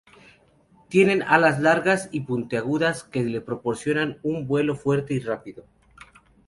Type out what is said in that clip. Tienen alas largas y puntiagudas que les proporcionan un vuelo fuerte y rápido.